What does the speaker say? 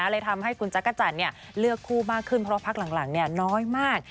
เลยทำให้คุณจ๊ะก๊าจันเลือกคู่มากขึ้นเพราะว่าพาร์คหลังน้อยมาก